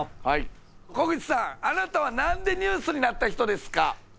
はい小口さんあなたは何でニュースになった人ですか？